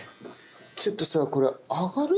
ちょっとさこれ上がる？